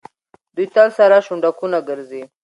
دوی تل سره شونډکونه ګرځي.